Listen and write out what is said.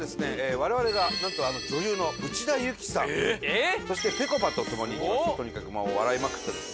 我々がなんとあの女優の内田有紀さんそしてぺこぱと共にとにかく笑いまくったですね